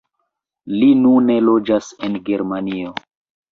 Li nune loĝas en Germanio.